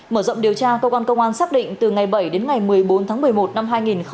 mở rộng điều tra cơ quan công an xác định từ ngày bảy đến ngày một mươi bốn tháng một mươi một năm hai nghìn hai mươi ba